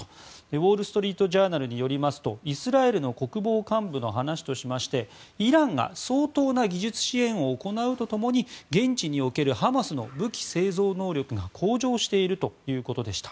ウォール・ストリート・ジャーナルによりますとイスラエルの国防幹部の話としてイランが相当な技術支援を行うとともに現地におけるハマスの武器製造能力が向上しているということでした。